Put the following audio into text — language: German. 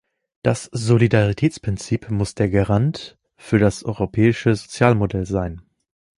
Das Solidaritätsprinzip muss der Garant für das europäische Sozialmodell sein.